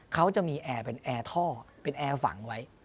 เขาจะมีแอร์เป็นแอร์ท่อเป็นแอร์ฝังไว้